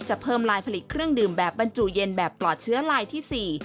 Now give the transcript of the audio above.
จะเพิ่มลายผลิตเครื่องดื่มแบบบรรจุเย็นแบบปลอดเชื้อลายที่๔